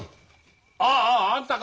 あああんたか！